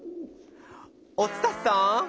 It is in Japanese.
⁉お伝さん